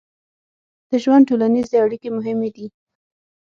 د ژوند ټولنیزې اړیکې مهمې دي.